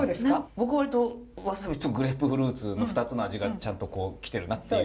僕割とわさびとグレープフルーツ２つの味がちゃんと来てるなっていう。